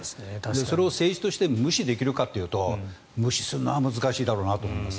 それを政治として無視できるかというと無視するのは難しいだろうと思います。